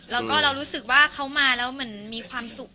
แล้วก็เรารู้สึกว่าเขามาแล้วเหมือนมีความสุข